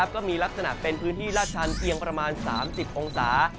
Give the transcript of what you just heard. ก็มีลักษณะเป็นพื้นที่ลาดชันเพียงประมาณ๓๐องศา